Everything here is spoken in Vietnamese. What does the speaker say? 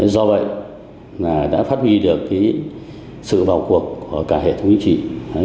do vậy đã phát huy được sự vào cuộc của cả hệ thống chính trị